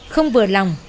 không vừa lòng